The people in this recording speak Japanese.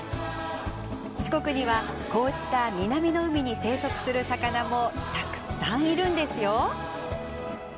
四国にはこうした南の海に生息する魚もたくさんいるんですよ。